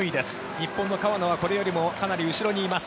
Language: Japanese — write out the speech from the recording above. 日本の川野はこれよりもかなり後ろにいます。